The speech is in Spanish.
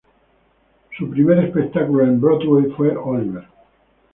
Su primer espectáculo en Broadway fue "Oliver!